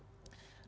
kita pulang ke rumah